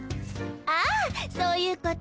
ああそういうこと。